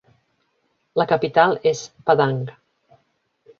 La capital és Padang.